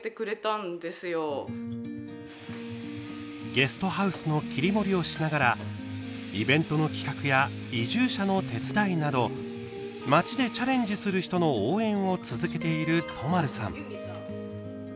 ゲストハウスの切り盛りをしながらイベントの企画や移住者の手伝いなど町でチャレンジする人の応援を続けている都丸さん。